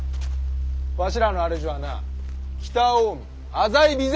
わしらの主はな北近江浅井備前